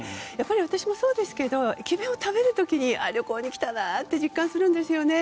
私もそうですけど駅弁を食べる時に旅行に来たなって実感するんですよね。